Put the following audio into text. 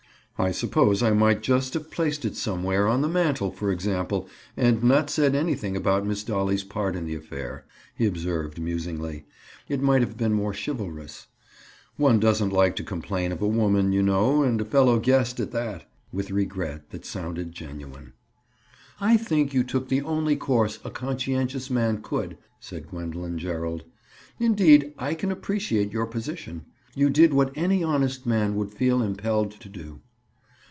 "I suppose I might just have placed it somewhere, on the mantle, for example, and not said anything about Miss Dolly's part in the affair," he observed musingly. "It might have been more chivalrous. One doesn't like to complain of a woman, you know, and a fellow guest at that." With regret that sounded genuine. "I think you took the only course a conscientious man could," said Gwendoline Gerald. "Indeed, I can appreciate your position. You did what any honest man would feel impelled to do."